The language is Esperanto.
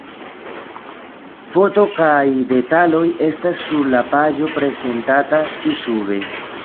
Foto kaj detaloj estas sur la paĝo prezentata ĉi-sube.